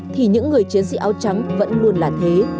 thì những người chiến sĩ áo trắng vẫn luôn là thế